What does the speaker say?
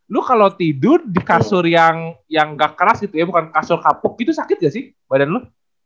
lu kalau tidur di kasur yang gak keras gitu ya bukan kasur kapuk gitu sakit gak sih badan lo